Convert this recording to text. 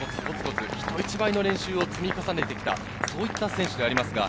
コツコツコツコツ、人一倍の練習を積み重ねてきた、そういった選手です。